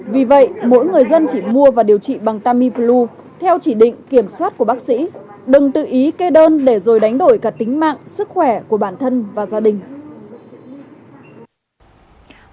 vì vậy mỗi người dân chỉ mua và điều trị bằng tamiflu theo chỉ định kiểm soát của bác sĩ đừng tự ý kê đơn để rồi đánh đổi cả tính mạng sức khỏe của bản thân và gia đình